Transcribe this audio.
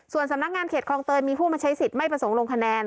ส่วนสำนักงานเขตคลองเตยมีผู้มาใช้สิทธิ์ไม่ประสงค์ลงคะแนน